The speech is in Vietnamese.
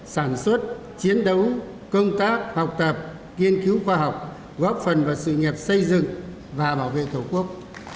sản xuất chiến đấu công tác học tập kiên cứu khoa học góp phần vào sự nghiệp xây dựng và bảo vệ thổ quốc